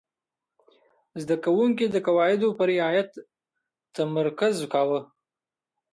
زده کوونکي د قواعدو په رعایت تمرکز کاوه.